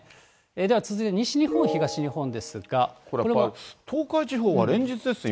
では続いて、西日本、これやっぱり、東海地方が連日ですね、